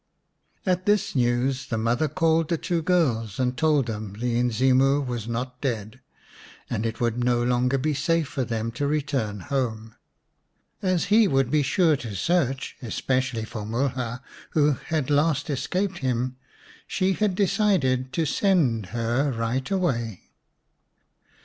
At this news the mother called the two girls and told them the Inzimu was not dead, and it would no longer be safe for them to return home. As he would be sure to search, especially for Mulha, who had last escaped him, she had decided to send her right away.